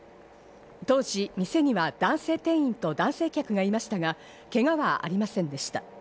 当時店には男性店員と男性客がいましたが、けがはありませんでした。